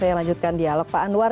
saya lanjutkan dialog pak anwar